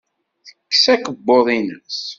Tekkes akebbuḍ-nnes.